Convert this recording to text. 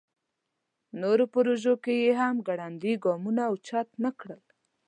نورو پروژو کې یې هم ګړندي ګامونه اوچت نکړل.